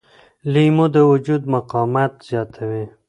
لیمو د وجود مقاومت زیاتوي.